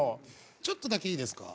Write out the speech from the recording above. ちょっとだけいいですか？